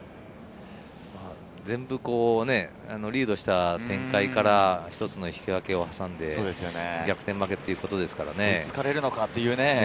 全部リードした展開から一つの引き分けを挟んで逆転負けということですからね。